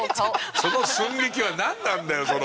その寸劇はなんなんだよその。